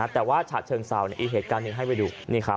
แต่ว่าฉะเชิงเศร้าอีกเหตุการณ์หนึ่งให้ไปดู